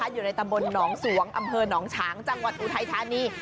อยู่ในตำบลหนองสวงอำเภอหนองฉางจังหวัดอุทัยธานี